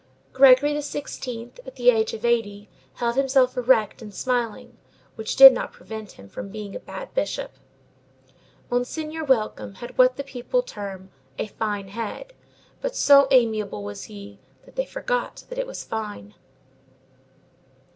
Gregory XVI., at the age of eighty, held himself erect and smiling, which did not prevent him from being a bad bishop. Monseigneur Welcome had what the people term a "fine head," but so amiable was he that they forgot that it was fine.